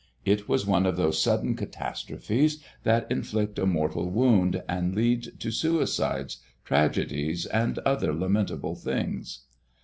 It was one of those sudden catastrophes that inflict a mortal wound and lead to suicides, tragedies, and other lamentable things.